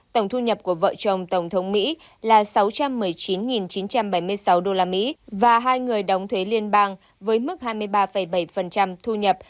tổng thu nhập của vợ chồng tổng thống mỹ là sáu trăm một mươi chín chín trăm bảy mươi sáu usd và hai người đóng thuế liên bang với mức hai mươi ba bảy thu nhập